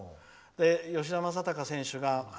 で、吉田正尚選手がね。